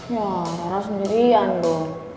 ya rara sendirian dong